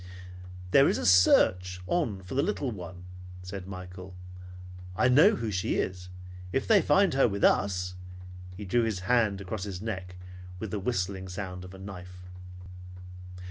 "There is a search on for the little one," said Michael. "I know who she is. If they find her with us " He drew his hand across his neck with the whistling sound of a knife.